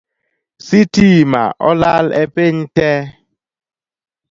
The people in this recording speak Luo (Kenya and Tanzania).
Sitima olal e piny tee